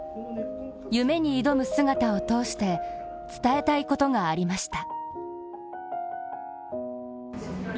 夢に挑む姿を通して伝えたいことがありました。